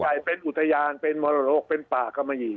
เขาใหญ่เป็นอุตยานเป็นมรโรคเป็นป่ากรรมยี